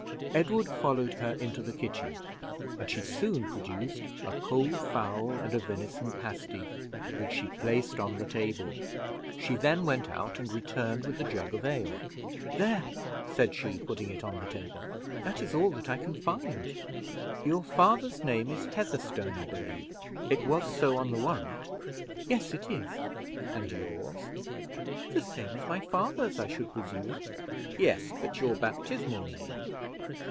Edward followed her into the kitchen, and she soon produced a cold fowl and a venison pasty, which she placed on the table; she then went out and returned with a jug of ale. "There," said she, putting it on the table, "that is all that I can find." "Your father's name is Heatherstone, I believe. It was so on the warrant." "Yes, it is." "And yours?" "The same as my father's, I should presume." "Yes, but your baptismal name?"